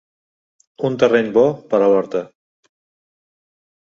Un terreny bo per a l'horta.